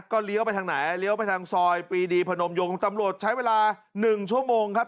ก็เลี้ยวไปทางไหนเลี้ยวไปทางซอยปีดีพนมยงตำรวจใช้เวลา๑ชั่วโมงครับ